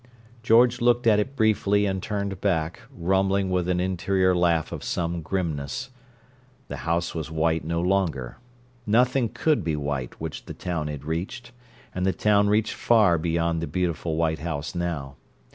George looked at it briefly and turned back, rumbling with an interior laugh of some grimness. The house was white no longer; nothing could be white which the town had reached, and the town reached far beyond the beautiful white house now.